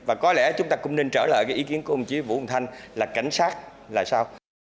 và có lẽ chúng ta cũng nên trở lại cái ý kiến của ông chí vũ quân thanh là cảnh sát là sao